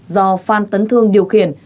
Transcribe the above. do phan tấn thương điều khiển